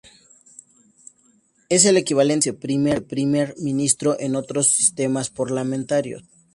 Es el equivalente de un viceprimer ministro en otros sistemas parlamentarios.